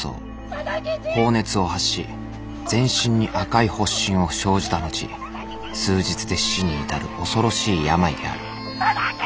高熱を発し全身に赤い発疹を生じたのち数日で死に至る恐ろしい病である。